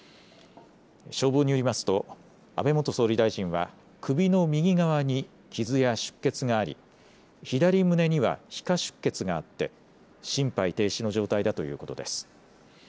消防によりますと安倍元総理大臣は首の右側に傷や出血があり左胸には皮下出血があって心肺停止の状態だということです。